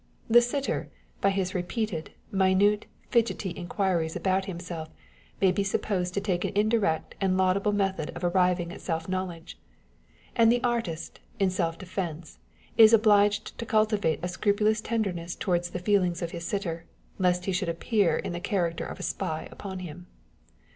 The sitter, by his repeated, minute, fidgety inquiries about himself may be supposed to take an indirect and laudable method of arriving at self know ledge ; and the artist, in self defence, is obliged to cul tivate a scrupulous tenderness towards the feelings of his sitter, lest he should appear in the character of a spy upon him.